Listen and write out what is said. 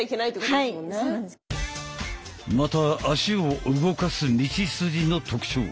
また足を動かす道筋の特徴。